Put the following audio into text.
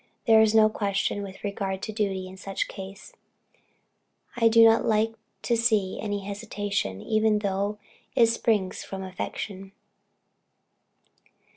There is no question with regard to duty in such a case; and I do not like to see any hesitation, even though it springs from affection."